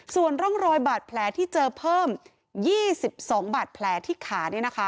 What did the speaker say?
ส่วนร่องรอยบาดแผลที่เจอเพิ่ม๒๒บาดแผลที่ขา